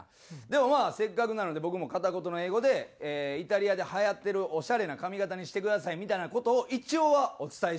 でもまあせっかくなので僕も片言の英語でイタリアではやってるオシャレな髪形にしてくださいみたいな事を一応はお伝えしたんですよ。